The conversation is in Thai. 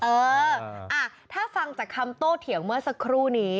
เออถ้าฟังจากคำโต้เถียงเมื่อสักครู่นี้